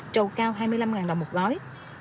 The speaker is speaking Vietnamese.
trầu cao hai mươi năm đồng một gói